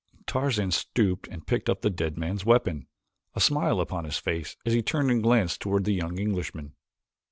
Tarzan stooped and picked up the dead man's weapon, a smile upon his face as he turned and glanced toward the young Englishman.